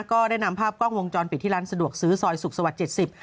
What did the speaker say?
ก็ได้นำภาพกล้องวงจรปิดที่ร้านสะดวกซื้อซอยสุขสวรรค์๗๐